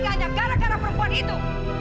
hanya gara gara perempuan itu